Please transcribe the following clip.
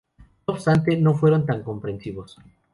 No obstante, no fueron tan comprensivos.